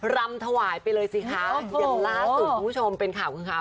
รำถวายไปเลยสิคะอย่างล่าสุดคุณผู้ชมเป็นข่าวคือฮา